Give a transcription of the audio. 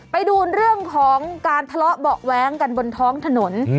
ไปดูเรื่องของการทะเลาะเบาะแว้งกันบนท้องถนน